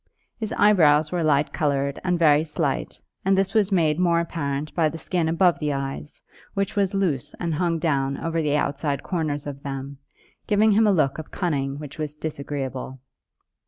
His eyebrows were light coloured and very slight, and this was made more apparent by the skin above the eyes, which was loose and hung down over the outside corners of them, giving him a look of cunning which was disagreeable.